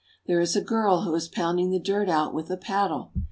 There is a girl who is pounding the dirt out with a paddle.